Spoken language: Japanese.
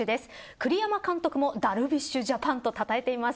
栗山監督もダルビッシュジャパンとたたえています。